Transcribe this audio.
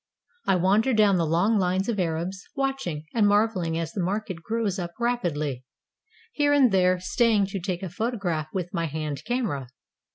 I wander down the long lines of Arabs, watching and marveling as the market grows up rapidly, here and there staying to take a photograph with my hand camera.